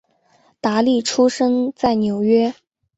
达利出生在纽约。